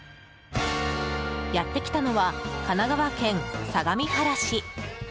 やってきたのは神奈川県相模原市。